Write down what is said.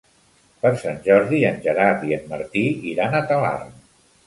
Per Sant Jordi en Gerard i en Martí iran a Talarn.